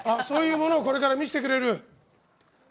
そういうものをこれから見せてくれる。